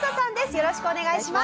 よろしくお願いします。